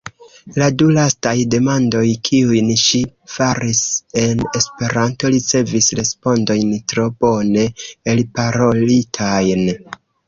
La du lastaj demandoj, kiujn ŝi faris en Esperanto, ricevis respondojn tro bone elparolitajn.